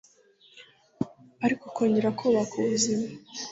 ariko kongera kubaka ubuzima